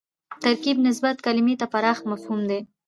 ترکیب نسبت کلیمې ته پراخ مفهوم لري